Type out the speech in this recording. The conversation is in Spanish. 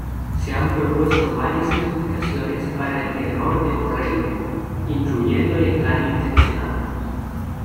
Se han propuesto varias explicaciones para el error de Morrell, incluyendo el engaño intencionado.